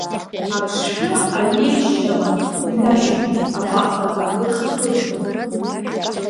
Аԥшшәы аҩежьшьала иҩашьомызт апапка акыр шахыҵуаз.